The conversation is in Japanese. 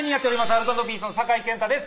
アルコ＆ピースの酒井健太です